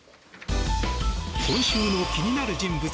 今週の気になる人物